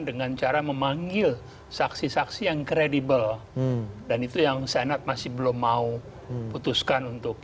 dengan cara memanggil saksi saksi yang kredibel dan itu yang senat masih belum mau putuskan untuk